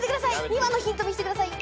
２番のヒント見してください。